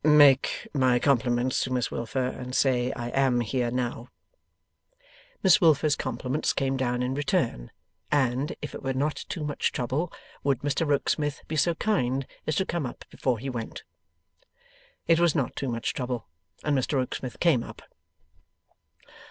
'Make my compliments to Miss Wilfer, and say I am here now.' Miss Wilfer's compliments came down in return, and, if it were not too much trouble, would Mr Rokesmith be so kind as to come up before he went? It was not too much trouble, and Mr Rokesmith came up.